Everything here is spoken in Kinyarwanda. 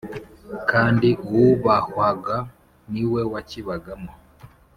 kandi uwubahwaga ni we wakibagamo